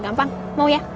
gampang mau ya